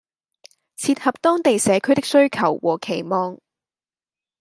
切合當地社區的需求和期望